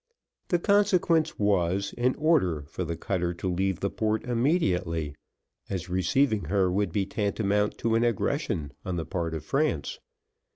The consequence was, an order for the cutter to leave the port immediately, as receiving her would be tantamount to an aggression on the part of France.